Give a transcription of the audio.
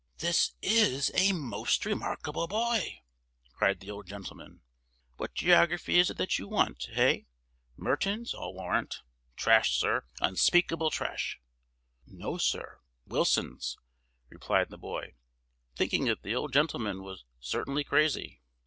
"This is a most remarkable boy!" cried the old gentleman. "What geography is it you want, hey? Merton's, I'll warrant. Trash, sir! unspeakable trash!" "No, sir; Willison's," replied the boy, thinking that the old gentleman was certainly crazy.